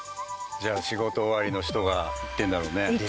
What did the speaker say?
じゃあ仕事終わりの人が行ってるんだろうね。でしょうね。